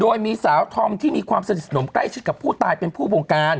โดยมีสาวธอมที่มีความสนิทสนมใกล้ชิดกับผู้ตายเป็นผู้บงการ